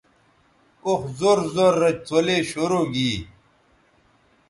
اوخ زور زور رے څلے شروع گی